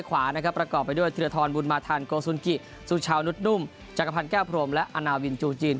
วันบุญมาทันโกซุนกิซูชาวนุดนุ่มจักรพันธ์แก้พรมและอาณาวินจูจีน